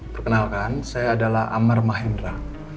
perkenalkan saya adalah amar mahendra